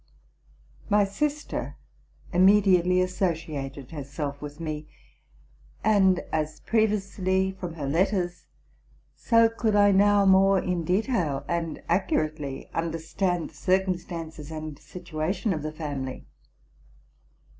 My sister immediately associated herself with me, and as previously, from her letters, so I could now more in detail 280 TRUTH AND FICTION and accurately understand the circumstances and situation of the family.